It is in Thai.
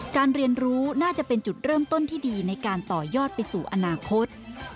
เรียนรู้น่าจะเป็นจุดเริ่มต้นที่ดีในการต่อยอดไปสู่อนาคต